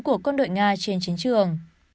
của quân đội nga trên chiến trường